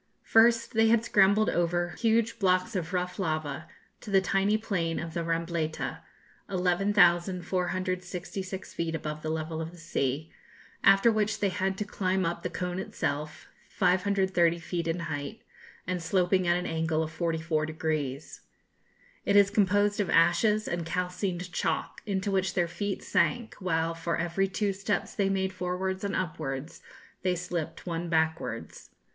First they had scrambled over huge blocks of rough lava to the tiny plain of the Rambleta, 11,466 feet above the level of the sea, after which they had to climb up the cone itself, 530 feet in height, and sloping at an angle of 44 degrees. It is composed of ashes and calcined chalk, into which their feet sank, while, for every two steps they made forwards and upwards, they slipped one backwards.